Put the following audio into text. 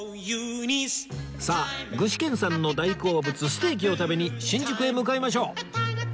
さあ具志堅さんの大好物ステーキを食べに新宿へ向かいましょう